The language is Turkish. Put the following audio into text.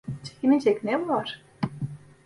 Çekinecek ne var?